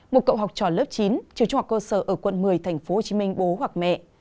một cậu học trò lớp chín trường trung học cơ sở ở quận một mươi tp hcm bố hoặc mẹ